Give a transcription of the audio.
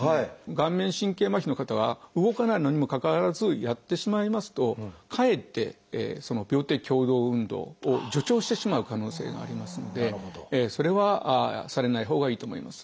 顔面神経麻痺の方は動かないのにもかかわらずやってしまいますとかえって病的共同運動を助長してしまう可能性がありますのでそれはされないほうがいいと思います。